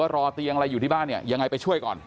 รอเตียงอะไรอยู่ที่บ้านเนี่ยยังไงไปช่วยก่อน